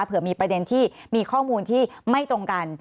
เผื่อมีประเด็นที่มีข้อมูลที่ไม่ตรงกัน